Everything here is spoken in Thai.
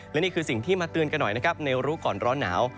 และนี่คือสิ่งที่มาเตือนกันหน่อยนะครับในรู้ก่อนร้อนหนาว